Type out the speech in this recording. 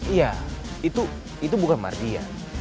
iya itu bukan mardian